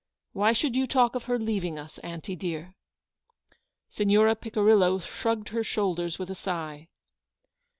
Why should you talk of her leaving us, aunty dear? " Signora Picirillo shrugged her shoulders with a sigh.